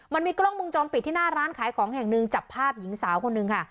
มันมีกล้องมุมจรปิดที่หน้าร้านขายของแห่งหนึ่งจับภาพหญิงสาวคนหนึ่งค่ะ